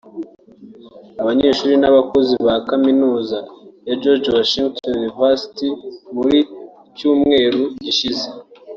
abanyeshuri n’abakozi ba kaminuza ya George Washington (University) muri Cyumweru gishize